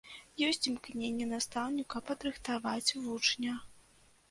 Ёсць імкненне настаўніка падрыхтаваць вучня.